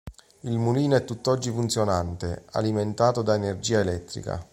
Il mulino è tutt'oggi funzionante, alimentato da energia elettrica.